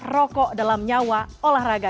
rokok dalam nyawa olahraga